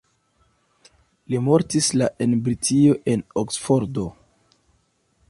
Li mortis la en Britio en Oksfordo.